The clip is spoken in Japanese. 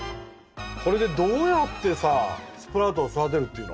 これでどうやってさスプラウトを育てるっていうの？